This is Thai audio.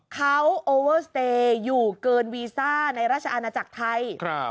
เขาโอเวอร์สเตย์อยู่เกินวีซ่าในราชอาณาจักรไทย